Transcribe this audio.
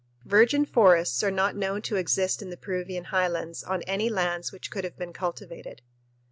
Virgin forests are not known to exist in the Peruvian highlands on any lands which could have been cultivated.